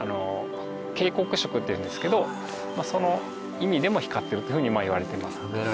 警告色っていうんですけどその意味でも光っているというふうにいわれています。